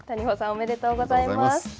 おめでとうございます。